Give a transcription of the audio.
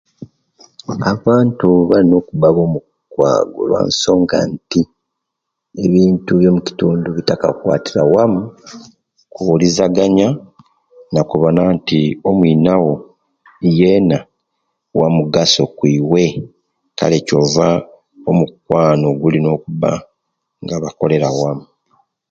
Abantu balina okuba bamukwaago okulwensonga nti ebintu ebyo'mukitundu bitaka kukwatira wamu, kuwulizaganya , nokuwona nti omwiinawo yeena wo'mugaso kwiiwe kale kyoova omukwaano gulina okuba nga bakolera wamu.